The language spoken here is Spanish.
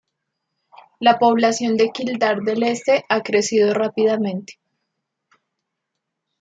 La población de Kildare del Este ha crecido rápidamente.